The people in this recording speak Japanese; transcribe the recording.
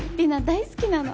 大好きなの！